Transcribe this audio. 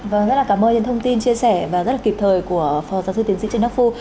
vâng rất là cảm ơn những thông tin chia sẻ và rất là kịp thời của phó giáo sư tiến sĩ trần đắc phu